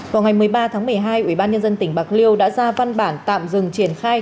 vào ngày một mươi ba tháng một mươi hai ubnd tỉnh bạc liêu đã ra văn bản tạm dừng triển khai